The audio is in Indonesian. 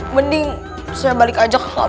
mending saya balik aja ke lapor ustadz